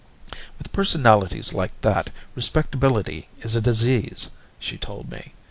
"With personalities like that, respectability is a disease," she told me.